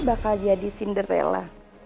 bakal jadi sinderella